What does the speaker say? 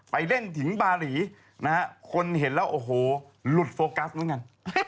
ไปเล่นถึงบารีนะฮะคนเห็นแล้วโอ้โหหลุดโฟกัสเหมือนกัน